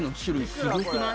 すごくない？